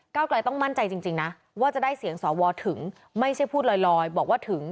กลายต้องมั่นใจจริงนะว่าจะได้เสียงสวถึงไม่ใช่พูดลอยบอกว่าถึง